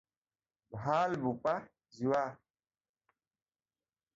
ভাল বোপা, যোৱা।